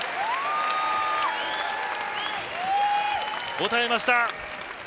応えました！